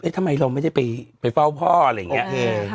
ทำไมเราไม่ได้ไปเฝ้าพ่ออะไรอย่างนี้